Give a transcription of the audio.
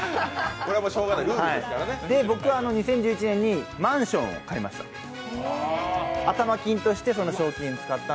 僕、２０１１年にマンションを買いました。